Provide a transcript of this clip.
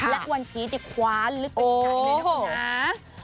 และวันพีชเด็กคว้าลึกเป็นไก่เลยนะคะ